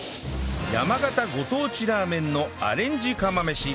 山形ご当地ラーメンのアレンジ釜飯